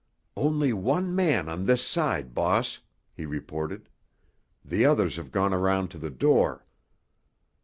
"Only one man on this side, boss," he reported. "The others have gone around to the door."